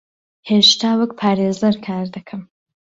هێشتا وەک پارێزەر کار دەکەم.